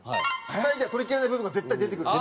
機械では取りきれない部分が絶対出てくる。